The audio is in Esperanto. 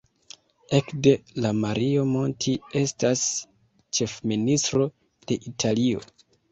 Ekde la Mario Monti estas ĉefministro de Italio.